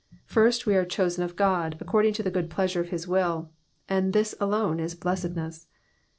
Fin^t, we are chosen of God, according to the good pleasure of his will, and this alone is blessedness.